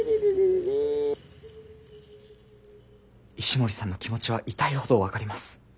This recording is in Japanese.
石森さんの気持ちは痛いほど分かります。